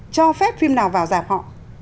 cho phép phim nào vào giảm họ